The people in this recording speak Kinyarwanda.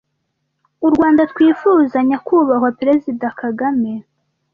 urwanda twifuza nyakubahwa president kagame